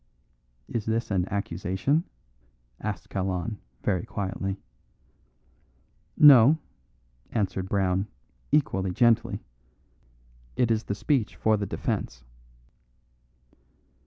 "Is this an accusation?" asked Kalon very quietly. "No," answered Brown, equally gently, "it is the speech for the defence."